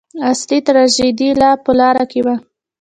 اصلي تراژیدي لا په لاره کې وه.